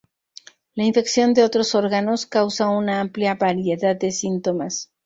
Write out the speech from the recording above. La infección de otros órganos causa una amplia variedad de síntomas.